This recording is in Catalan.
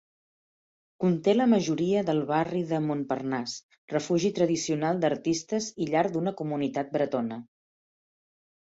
Conté la majoria del barri de Montparnasse, refugi tradicional d'artistes i llar d'una comunitat bretona.